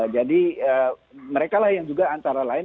jadi mereka lah yang juga antara lain